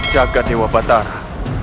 jaga dewa batara